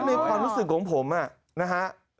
ในความรู้สึกของผมนะฮะ